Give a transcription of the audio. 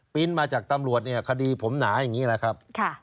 ปริ้นต์มาจากตำรวจคดีผมหนาอย่างนี้แหละครับ